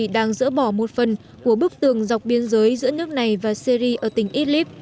đang dỡ bỏ một phần của bức tường dọc biên giới giữa nước này và syri ở tỉnh idlib